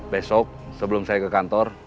besok sebelum saya ke kantor